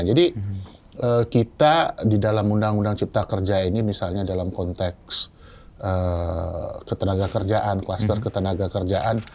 jadi kita di dalam undang undang cipta kerja ini misalnya dalam konteks ketenaga kerjaan kluster ketenaga kerjaan